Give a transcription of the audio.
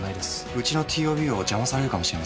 うちのＴＯＢを邪魔されるかもしれません。